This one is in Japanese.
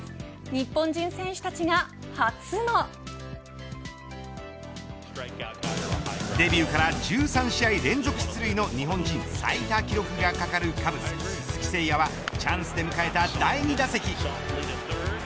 日本人選手たちがデビューから１３試合連続出塁の日本人最多記録がかかるカブス、鈴木誠也はチャンスで迎えた第２打席。